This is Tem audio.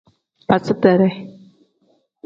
Baasiteree.